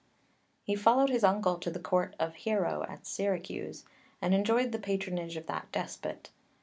He followed his uncle to the Court of Hiero at Syracuse, and enjoyed the patronage of that despot.